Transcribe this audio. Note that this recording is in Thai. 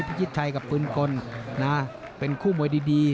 พิชิตชัยกับปืนกลเป็นคู่มวยดี